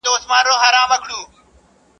له ښاره ووزه، له نرخه ئې مه وزه.